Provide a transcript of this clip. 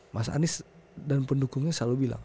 mas anies dan pendukungnya selalu bilang